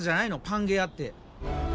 パンゲアって。